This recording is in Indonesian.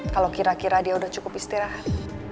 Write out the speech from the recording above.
kalau kira kira dia udah cukup istirahat